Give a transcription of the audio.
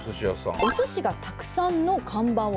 「おすしがたくさんの看板を作りたい」。